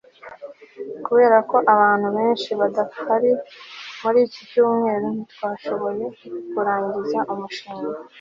Kubera ko abantu benshi badahari muri iki cyumweru ntitwashoboye kurangiza umushinga